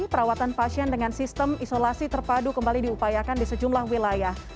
perawatan pasien dengan sistem isolasi terpadu kembali diupayakan di sejumlah wilayah